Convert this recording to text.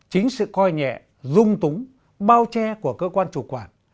chính sự coi nhẹ dung túng bao che của cơ quan chủ quản